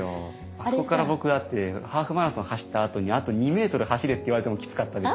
あそこから僕だってハーフマラソン走ったあとにあと２ｍ走れって言われてもきつかったです。